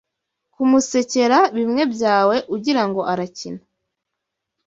kumusekera bimwe byawe ugirango arakina